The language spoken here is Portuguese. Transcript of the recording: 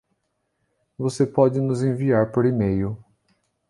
Você pode nos enviar por email.